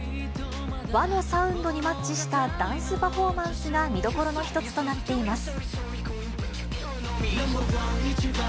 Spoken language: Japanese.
和のサウンドにマッチしたダンスパフォーマンスが見どころの一つとなっています。